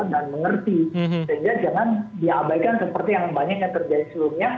dan orangnya harus tetangga dan mengerti